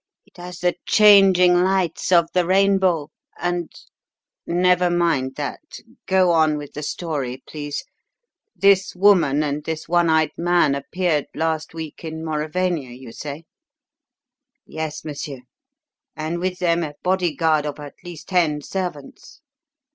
It has the changing lights of the rainbow, and " "Never mind that; go on with the story, please. This woman and this one eyed man appeared last week in Mauravania, you say?" "Yes, monsieur; and with them a bodyguard of at least ten servants.